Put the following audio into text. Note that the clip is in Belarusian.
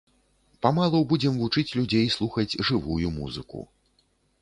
Памалу будзем вучыць людзей слухаць жывую музыку.